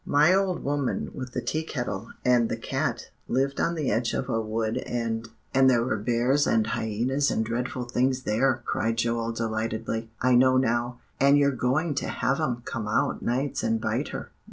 My old woman with the Tea Kettle and the cat lived on the edge of a wood and" "And there were bears and hyenas and dreadful things there," cried Joel delightedly. "I know now, and you're going to have 'em come out nights and bite her."